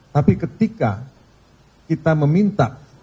tapi ketika kita meminta